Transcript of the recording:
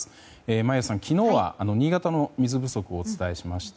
眞家さん、昨日は新潟の水不足をお伝えしました。